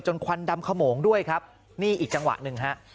ควันดำขโมงด้วยครับนี่อีกจังหวะหนึ่งฮะ